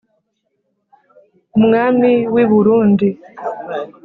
umwami w'i burundi :